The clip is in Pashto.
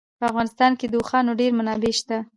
په افغانستان کې د اوښانو ډېرې منابع شته دي.